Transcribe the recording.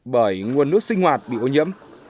bởi nguồn nước sinh hoạt bị ô nhiễm